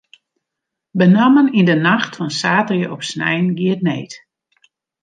Benammen yn de nacht fan saterdei op snein gie it need.